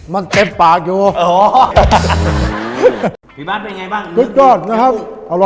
มันเต็มปากอยู่อ๋อพี่บราชไปไงบ้าง